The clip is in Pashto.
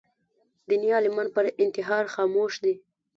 دیني عالمان پر انتحار خاموش دي